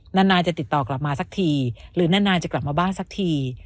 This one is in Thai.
นานจะติดต่อกลับมาสักทีหรือนานจะกลับมาบ้านสักที